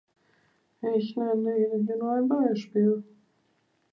Ich nenne Ihnen hier nur ein Beispiel.